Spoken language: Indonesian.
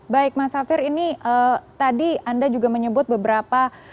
baik mas safir ini tadi anda juga menyebut beberapa